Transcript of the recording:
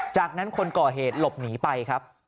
จากนั้นคนก่อเหตุหลบหนีไปครับ